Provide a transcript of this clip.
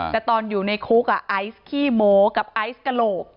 แต่ตอนอยู่ในคุกไอซ์ขี้โมกับไอซ์กระโหลก